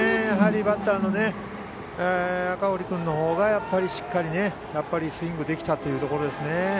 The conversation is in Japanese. やはりバッターの赤堀君のほうがしっかりとスイングできたというところですね。